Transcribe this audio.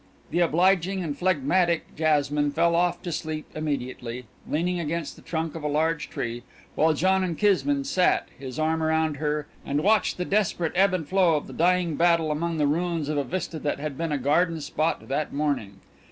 The obliging and phlegmatic Jasmine fell off to sleep immediately, leaning against the trunk of a large tree, while John and Kismine sat, his arm around her, and watched the desperate ebb and flow of the dying battle among the ruins of a vista that had been a garden spot that morning.